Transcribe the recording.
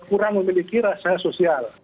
kurang memiliki rasa sosial